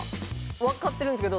わかってるんですけど。